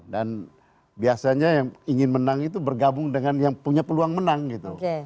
dan biasanya yang ingin menang itu bergabung dengan yang punya peluang menang gitu